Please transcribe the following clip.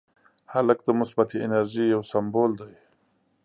هلک د مثبتې انرژۍ یو سمبول دی.